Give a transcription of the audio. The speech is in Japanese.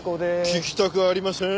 聞きたくありません。